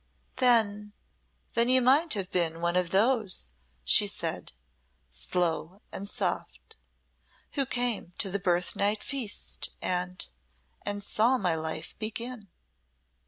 "Then then you might have been one of those," she said, slow and soft, "who came to the birthnight feast and and saw my life begin."